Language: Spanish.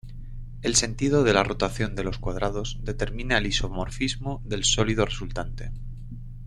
El sentido de la rotación de los cuadrados determina el isomorfismo del sólido resultante.